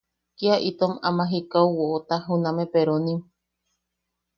Kia itom aman jikau woʼota juname peronim.